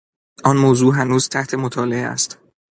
آن موضوع هنوز تحت مطالعه است.